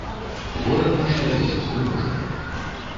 Горад наш увесь устрывожаны.